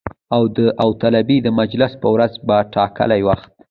او د داوطلبۍ د مجلس په ورځ په ټاکلي وخت